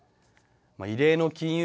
異例の金融